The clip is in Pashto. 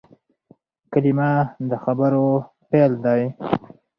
کلیمه د خبرو پیل دئ.